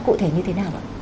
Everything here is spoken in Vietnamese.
cụ thể như thế nào ạ